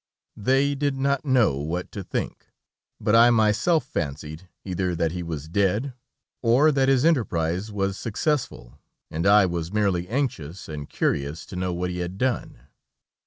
They did not know what to think, but I myself fancied, either that he was dead, or that his enterprise was successful, and I was merely anxious and curious to know what he had done.